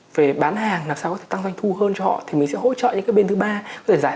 về bán hàng làm sao có thể tăng doanh thu hơn cho họ thì mình sẽ hỗ trợ những cái bên thứ ba giải